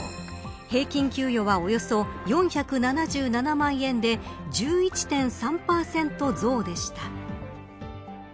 平均給与はおよそ４７７万円で１１．３％増でした。